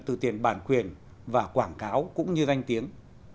từ tiền bản quyền và quảng cáo cũng như danh tiếng